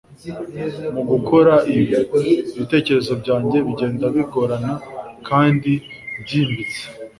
mugukora ibi, ibitekerezo byanjye bigenda bigorana kandi byimbitse